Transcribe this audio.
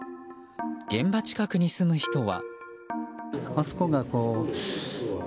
現場近くに住む人は。